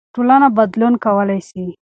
ټولنه بدلون کولای سي.